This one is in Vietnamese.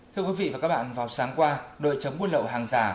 thưa quý vị và các bạn vào sáng qua đội chống buôn lậu hàng giả